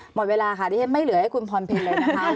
หมดเวลาค่ะไม่เหลือให้คุณพรเพ็ญเลยนะคะ